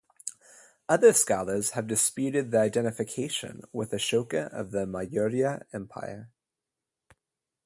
Other scholars have disputed the identification with Ashoka of the Maurya Empire.